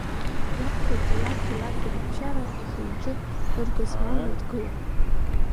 Иабхәагьы лафи-лафи рыбжьара ихы-иҿы ыргызмалны дгылан.